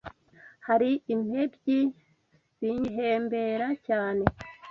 Hari impembyi singihembera cyane